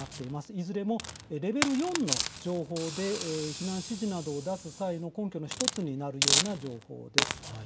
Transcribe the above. いずれもレベル４の情報で避難指示などを出す際の根拠の１つになるような情報です。